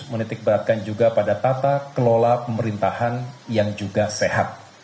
menitik beratkan juga pada tata kelola pemerintahan yang juga sehat